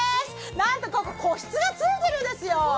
何と、個室がついてるんですよ。